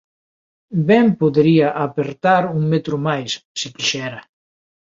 Ben podería apertar un metro máis, se quixera.